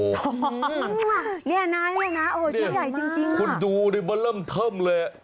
เรียกนะชิ้นใหญ่จริงคุณดูเลยมันเริ่มเทิมเลย